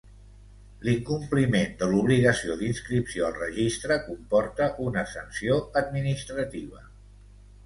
L'incompliment de l'obligació d'inscripció al registre comporta una sanció administrativa.